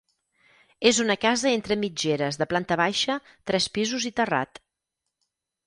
És una casa entre mitgeres de planta baixa, tres pisos i terrat.